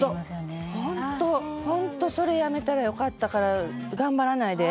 ホントホントそれやめたらよかったから「頑張らないで」